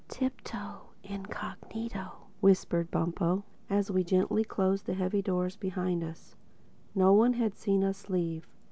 "Tiptoe incognito," whispered Bumpo as we gently closed the heavy doors behind us. No one had seen us leave.